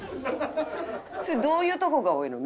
それどういうとこが多いの？